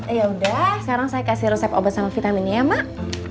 yaudah sekarang saya kasih resep obat sama vitaminnya ya emak